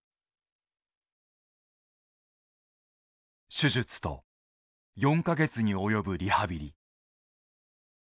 手術と４か月に及ぶリハビリ。